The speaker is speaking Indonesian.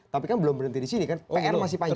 tapi kan belum berhenti disini kan pr masih panjang